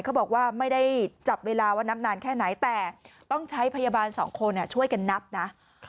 เขาบอกว่าไม่ได้จับเวลาว่านับนานแค่ไหนแต่ต้องใช้พยาบาลสองคนช่วยกันนับนะ